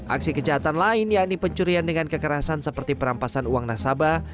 aksi kejahatan lain yakni pencurian dengan kekerasan seperti perampasan uang nasabah